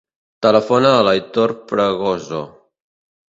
Telefona a l'Aitor Fragoso.